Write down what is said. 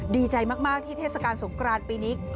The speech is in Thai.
ดีใจมากที่เทศกาลสงครานปีนี้